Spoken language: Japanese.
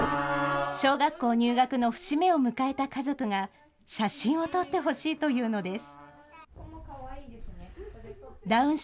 小学校入学の節目を迎えた家族が、写真を撮ってほしいというのです。